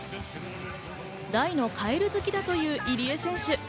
大のカエル好きだという入江選手。